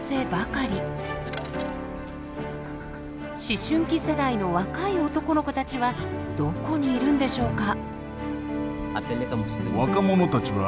思春期世代の若い男の子たちはどこにいるんでしょうか。